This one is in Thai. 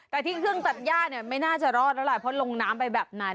แต่ที่เครื่องตัดย่าเนี่ยไม่น่าจะรอดแล้วล่ะเพราะลงน้ำไปแบบนั้น